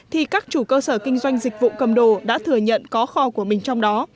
thì các chủ cơ sở kinh doanh dịch vụ cầm đồ đã thừa nhận có kho của mình trong đó